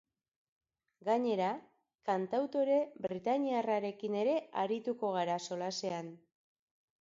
Gainera, kantautore britainiarrarekin ere arituko gara solasean.